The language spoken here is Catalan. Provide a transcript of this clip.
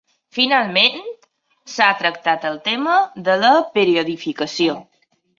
Finalment, s’ha tractat el tema de la periodificació.